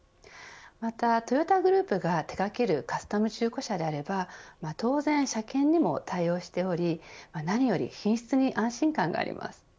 また、トヨタグループが手掛けるカスタム中古車であれば当然、車検にも対応しており何より品質に安心感があります。